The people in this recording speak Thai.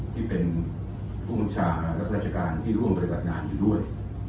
ที่เป็นผู้บัญชาและราชการที่ร่วมปฏิบัติงานอยู่ด้วย